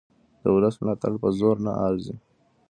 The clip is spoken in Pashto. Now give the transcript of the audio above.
د ولس ملاتړ په زور نه راځي